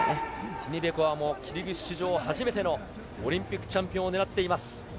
ティニベコワも史上初めてのオリンピックチャンピオンを狙っています。